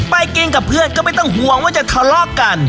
ไปกินกับเพื่อนก็ไม่ต้องห่วงว่าจะทะเลาะกัน